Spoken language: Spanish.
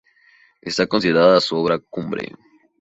Está considerada su obra cumbre.